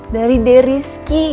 dari d rizky